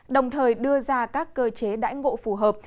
đồng thời đưa ra các cơ chế đãi ngộ phù hợp